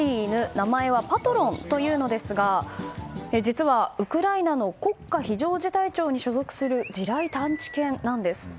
名前はパトロンというのですが実は、ウクライナの国家非常事態庁に所属する地雷探知犬なんです。